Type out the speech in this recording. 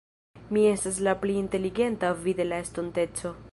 Mi estas la pli inteligenta vi de la estonteco.